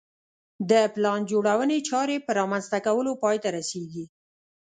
د پلان جوړونې چارې په رامنځته کولو پای ته رسېږي.